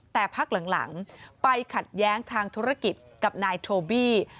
แต่พักหลังไปขัดแย้งทางธุรกิจกับนายโทบี้